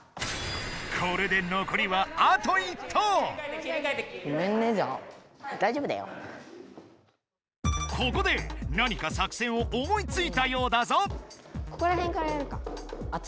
これでここでなにか作戦を思いついたようだぞ！